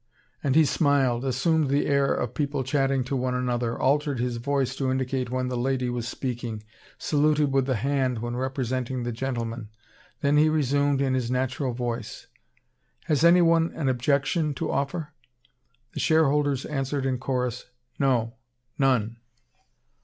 '" And he smiled, assumed the air of people chatting to one another, altered his voice to indicate when the lady was speaking, saluted with the hand when representing the gentleman. Then he resumed, in his natural voice: "Has anyone an objection to offer?" The shareholders answered in chorus: "No, none."